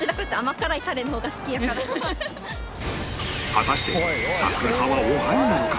果たして多数派はおはぎなのか？